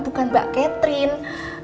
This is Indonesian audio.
bukan mbak catherine